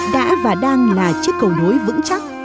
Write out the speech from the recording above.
đã và đang là chiếc cầu đối vững chắc